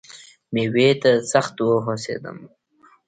مېوې ته سخت وهوسېدم .